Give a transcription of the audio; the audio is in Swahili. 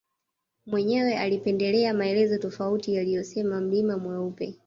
Mwenyewe alipendelea maelezo tofauti yaliyosema mlima mweupe